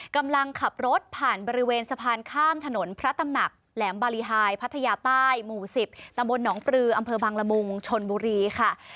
กำลังขับรถผ่านบริเวณสะพานข้ามถนนพระตำหนักแหลมบารีไฮพัทยาใต้หมู่๑๐ตำบลหนองปลืออำเภอบังละมุงชนบุรีค่ะ